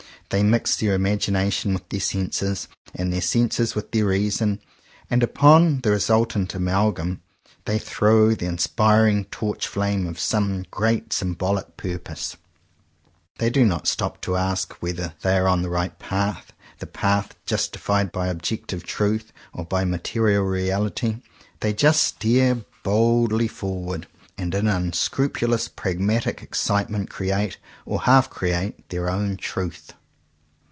They mix their imagination with their senses, and their senses with their reason; and upon the resultant amalgam they throw the inspiring torch flame of some great sym bolic purpose. They do not stop to ask whether they are on the right path, the path justified by objective truth or by material reality: they just steer boldly 37 CONFESSIONS OF TWO BROTHERS forward, and in unscrupulous, pragmatic excitement create, or half create, their own "truth."